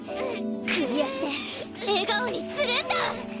クリアして笑顔にするんだ！